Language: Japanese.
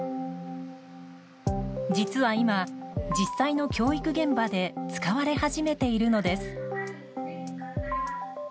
実は今、実際の教育現場で使われ始めているのです。